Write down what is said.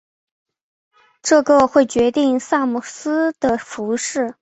这个会决定萨姆斯的服饰。